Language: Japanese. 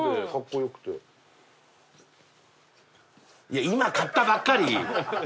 いや今買ったばっかり！